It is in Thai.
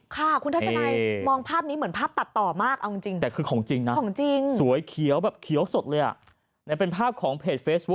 เขื่อนกันคลื่นที่ปากปากน้ำปรานบุรี